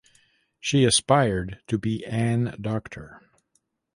She aspired to be an doctor.